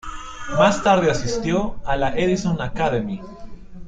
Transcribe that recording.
Más tarde asistió a la Edison Academy.